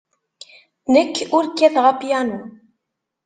Nekk ur kkateɣ apyanu.